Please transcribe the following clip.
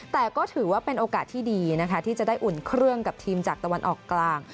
แต่ก็ถือว่าเป็นโอกาสที่ดีนะคะที่จะได้อุ่นเครื่องกับทีมจากตะวันออกกลาง